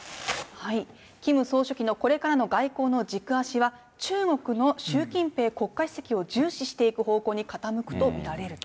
キム総書記のこれからの外交の軸足は、中国の習近平国家主席を重視していく方向に傾くと見られると。